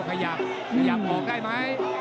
ขยับขยับออกได้ไหม